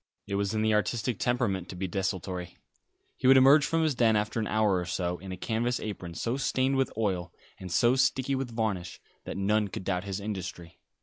It was in the artistic temperament to be desultory. He would emerge from his den after an hour or so, in a canvas apron so stained with oil, and so sticky with varnish, that none could doubt his industry.